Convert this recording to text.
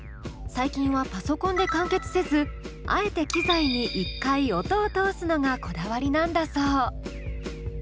最近はパソコンで完結せずあえて機材に一回音を通すのがこだわりなんだそう。